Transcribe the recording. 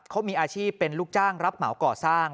เขามีอาชีพเป็นลูกจ้างรับเหมาก่อสร้าง